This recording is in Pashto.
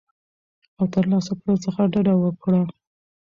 او ترلاسه کولو څخه ډډه وکړه